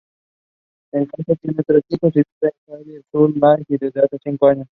Está casado, tiene tres hijos y vive en Sailly-sur-la-Lys desde hace cinco años.